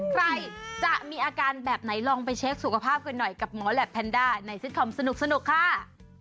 ใครจะมีอาการแบบไหนลองไปเช็คสุขภาพกันหน่อยกับหมอแหลปแพนด้าในซิตคอมสนุกค่ะ